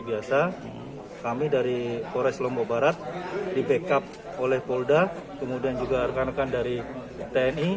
biasa kami dari pores lombok barat di backup oleh polda kemudian juga rekan rekan dari tni